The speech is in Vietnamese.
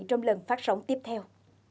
trong lần phát sóng tiếp theo